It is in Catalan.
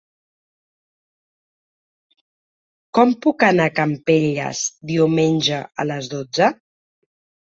Com puc anar a Campelles diumenge a les dotze?